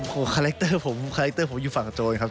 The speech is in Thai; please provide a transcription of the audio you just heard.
คาแรคเตอร์ผมอยู่ฝั่งโจรครับ